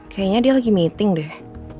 kayaknya dia lagi meeting deh